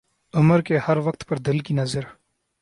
عمر کے ہر ورق پہ دل کی نظر